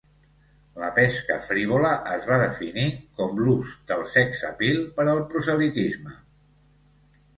La pesca frívola es va definir com l'ús del sex-appeal per al proselitisme.